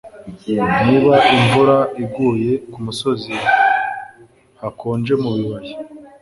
niba imvura iguye kumusozi, hakonje mubibaya